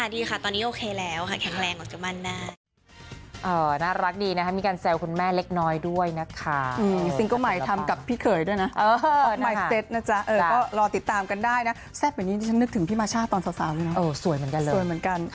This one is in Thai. ดีค่ะตอนนี้โอเคแล้วค่ะแข็งแรงออกจากมั่นได้